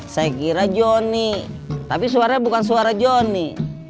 saya kira jonny tapi suaranya bukan suara jonny